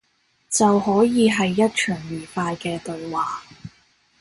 就可以係一場愉快嘅對話